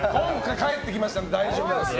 帰ってきましたので大丈夫です。